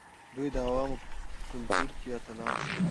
دوی د عوامو په کلتور کې اتلان شول.